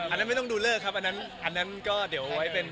อันนั้นไม่ต้องดูเลิกครับอันนั้นก็เดี๋ยวไว้เป็น